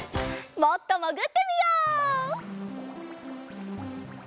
もっともぐってみよう！